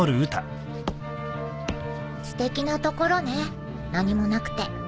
すてきな所ね何もなくて。